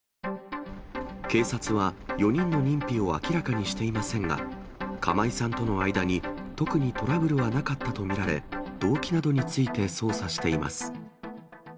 警察は４人の認否を明らかにしていませんが、釜井さんとの間に特にトラブルはなかったと見られ、動機などについて捜査しています。